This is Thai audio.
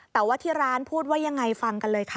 แต่ว่าที่ร้านพูดว่ายังไงฟังกันเลยค่ะ